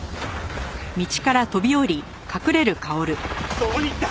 どこに行った？